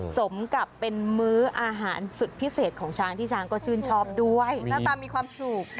สมกับเป็นมื้ออาหารสุดพิเศษของช้างที่ช้างก็ชื่นชอบด้วยหน้าตามีความสุข